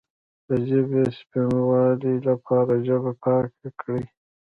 د ژبې د سپینوالي لپاره ژبه پاکه کړئ